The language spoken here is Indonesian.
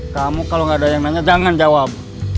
kamu kalau nggak ada yang nanya jangan jawab